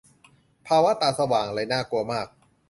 ภาวะ "ตาสว่าง" เลยน่ากลัวมาก